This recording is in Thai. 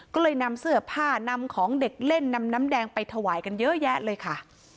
ก็เลยนำเสื้อผ้านำของเด็กเล่นนำน้ำแดงไปถวายกันเยอะแยะเลยค่ะ